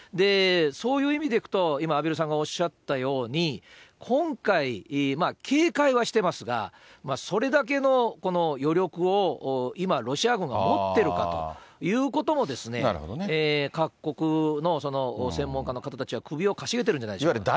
そういう意味でいくと、今、畔蒜さんがおっしゃったように、今回、警戒はしてますが、それだけのこの、余力を今、ロシア軍が持ってるかということも、各国の専門家の方たちは首をかしげてるんじゃないんでしょうか。